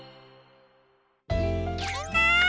みんな！